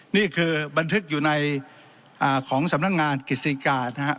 นี่คือบันทึกอยู่ในของสำนักงานกฤษฎิกานะครับ